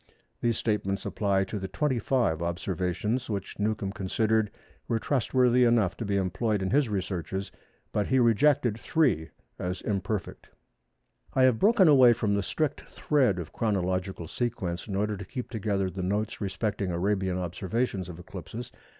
These statements apply to the 25 observations which Newcomb considered were trustworthy enough to be employed in his researches, but he rejected three as imperfect. I have broken away from the strict thread of chronological sequence in order to keep together the notes respecting Arabian observations of eclipses.